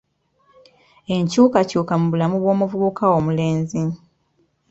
Enkyukakyuka mu bulamu bw'omuvubuka omulenzi.